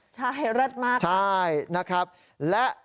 ใช่เริ่มมากใช่นะครับแล้ว